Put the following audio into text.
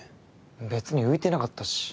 別に浮いてなかったし。